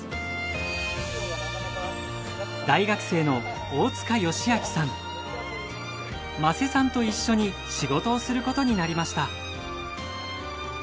大学生の大束良明さん間瀬さんと一緒に仕事をすることになりました。